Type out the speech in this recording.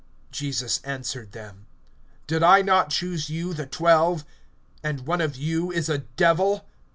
(70)Jesus answered them: Did I not choose you, the twelve, and one of you is a devil?